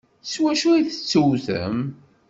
S wacu ay tettewtem?